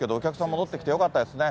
戻ってきてよかったですね。